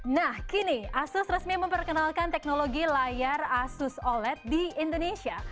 nah kini asus resmi memperkenalkan teknologi layar asus oled di indonesia